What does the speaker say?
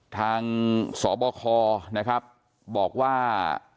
ทางสบคนะครับบอกว่า